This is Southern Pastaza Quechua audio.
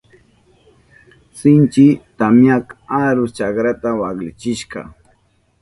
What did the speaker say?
Sinchi tamyaka arus chakrata waklichishka.